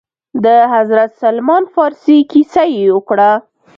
د حضرت سلمان فارس كيسه يې وكړه.